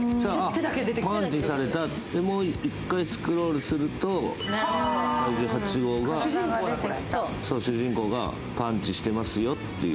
パンチされた、もう１回スクロールすると怪獣８号、主人公がパンチしてますよっていう。